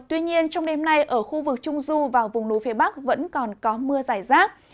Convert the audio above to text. tuy nhiên trong đêm nay ở khu vực trung du và vùng núi phía bắc vẫn còn có mưa giải rác